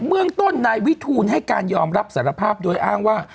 เมืองต้นนายวิทูลให้การยอมรับสารภาพโดยอ้างว่า